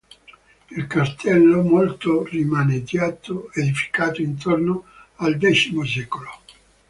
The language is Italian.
Il Castello, molto rimaneggiato, edificato intorno al X secolo.